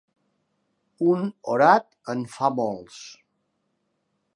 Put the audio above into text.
Un orat en fa molts.